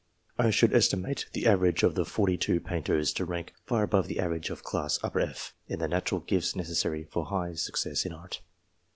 I should estimate the average of the forty two painters to rank far above the average of class F, in the natural gifts necessary for high success in art.